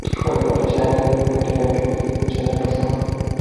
Alipata shahada hiyo katika Chuo Kikuu cha Dare es Salaam